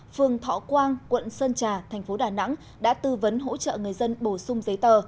phường thọ quang quận sơn trà thành phố đà nẵng đã tư vấn hỗ trợ người dân bổ sung giấy tờ